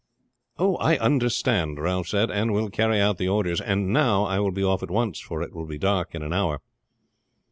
"I understand," Ralph said, "and will carry out the orders; and now I will be off at once, for it will be dark in an hour."